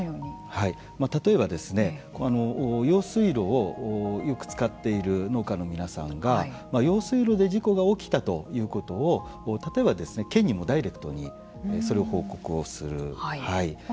例えば、用水路を使っている農家の皆さんが用水路で事故が起きたということを例えば県にもダイレクトにそれを報告をする。